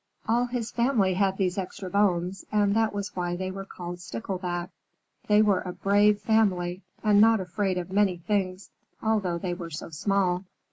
All his family had these extra bones, and that was why they were called Sticklebacks. They were a brave family and not afraid of many things, although they were so small.